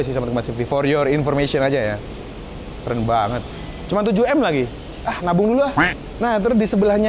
sih masih for your information aja ya keren banget cuma tujuh m lagi nabung dulu nah terdisebelahnya